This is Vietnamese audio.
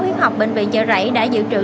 huyết học bệnh viện chợ rảy đã giữ trữ